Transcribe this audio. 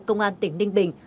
công an tỉnh ninh bình